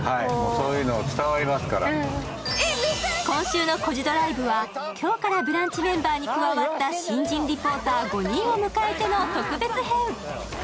今週の「コジドライブ」は今日からブランチメンバーに加わった新人リポーター５人を迎えての特別編。